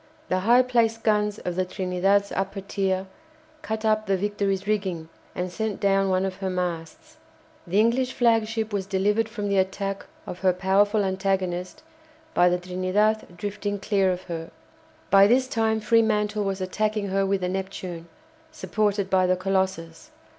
The high placed guns of the "Trinidad's" upper tier cut up the "Victory's" rigging and sent down one of her masts. The English flagship was delivered from the attack of her powerful antagonist by the "Trinidad" drifting clear of her. By this time Fremantle was attacking her with the "Neptune," supported by the "Colossus."